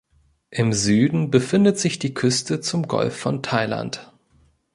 Im Süden befindet sich die Küste zum Golf von Thailand.